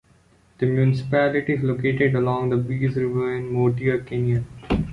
The municipality is located along the Birs river in the Moutier Canyon.